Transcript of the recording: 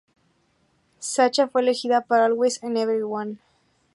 Sacha fue elegida para Always and Everyone.